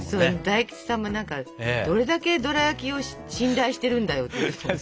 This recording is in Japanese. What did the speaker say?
大吉さんも何か「どれだけドラやきを信頼してるんだよ」って言ってたもん。